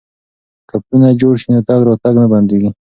که پلونه جوړ شي نو تګ راتګ نه بندیږي.